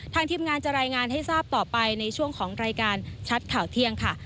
ทีมงานจะรายงานให้ทราบต่อไปในช่วงของรายการชัดข่าวเที่ยงค่ะ